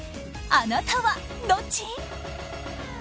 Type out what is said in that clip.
あなたはどっち？